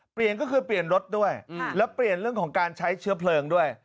เปลี่ยนก็คือเปลี่ยนรถด้วยแล้วเปลี่ยนเรื่องของการใช้เชื้อเพลิงด้วย